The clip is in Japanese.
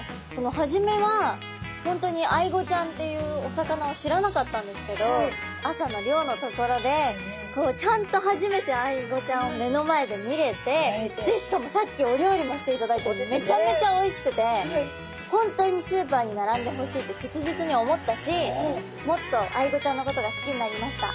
初めはホントにアイゴちゃんっていうお魚を知らなかったんですけど朝の漁のところでこうちゃんと初めてアイゴちゃんを目の前で見れてしかもさっきお料理もしていただいてめちゃめちゃおいしくてホントにスーパーに並んでほしいって切実に思ったしもっとアイゴちゃんのことが好きになりました。